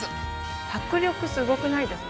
迫力すごくないですか？